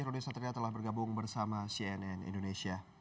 roni satria telah bergabung bersama cnn indonesia